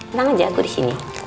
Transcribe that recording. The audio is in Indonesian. tenang aja aku disini